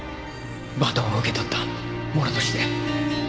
バトンを受け取った者として。